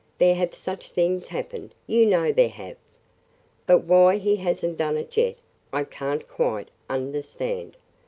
There have such things happened; you know there have. But why he has n't done it yet I can't quite understand.